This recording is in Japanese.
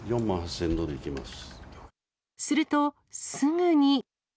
すると、すぐに。